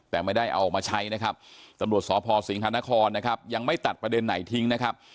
แต่ไม่ได้เอาออกมาใช้นะครับตำรวจสพสิงหานครนะครับยังไม่ตัดประเด็นไหนทิ้งนะครับ